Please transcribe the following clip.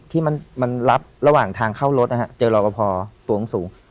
ที่มันรับระหว่างทางเข้ารถนะฮะเจอรอปภตัวสูง